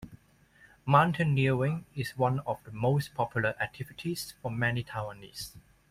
Mountaineering is one of the most popular activities for many Taiwanese.